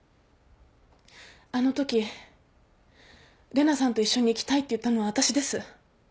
あのとき玲奈さんと一緒に行きたいって言ったのは私です。